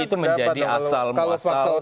itu menjadi asal muasal